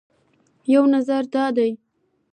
یو نظر دا دی